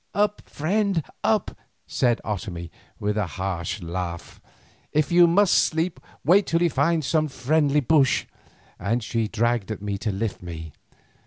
"Up, friend, up!" said Otomie, with a harsh laugh. "If you must sleep, wait till you find some friendly bush," and she dragged at me to lift me.